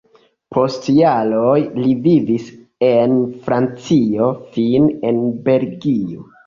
Post jaroj li vivis en Francio, fine en Belgio.